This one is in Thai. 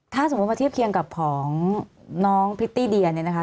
ถ้าสมมุติมาเทียบเคียงกับของน้องพริตตี้เดียเนี่ยนะคะ